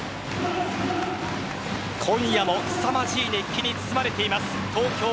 今夜も凄まじい熱気に包まれています。